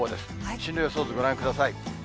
進路予想図ご覧ください。